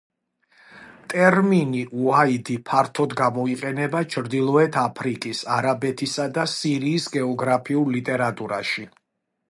ტერმინი უადი ფართოდ გამოიყენება ჩრდილოეთ აფრიკის, არაბეთისა და სირიის გეოგრაფიულ ლიტერატურაში.